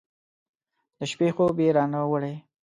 د شپې خوب یې رانه وړی